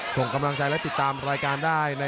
ส่งกำลังใจและติดตามรายการของผู้และจะสู้ชีวิตได้